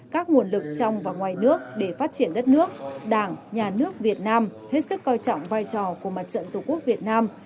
các nguồn lực trong và ngoài nước để phát triển đất nước đảng nhà nước việt nam hết sức coi trọng vai trò của mặt trận tổ quốc việt nam